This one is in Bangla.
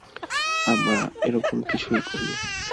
আমরা এরকম কিছুই করিনি।